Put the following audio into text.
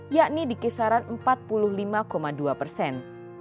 yakni di kisaran empat puluh lima dua persen